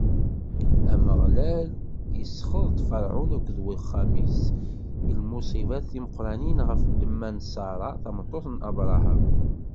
Ameɣlal isxeḍ-d Ferɛun akked wat wexxam-is s lmuṣibat timeqranin ɣef ddemma n Ṣara, tameṭṭut n Abṛaham.